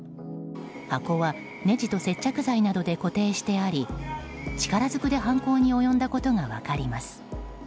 箱はネジと接着剤などで固定してあり力ずくで犯行に及んだことが分かります。